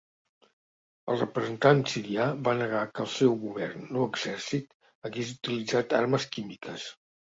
El representant sirià va negar que el seu govern o exèrcit hagués utilitzat armes químiques.